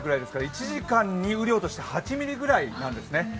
１時間に雨量として８ミリぐらいなんですね。